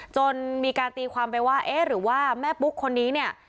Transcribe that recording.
จนมีการตีความไปว่าเอ๊ะหรือว่าแม่ปุ๊กคนนี้เนี่ย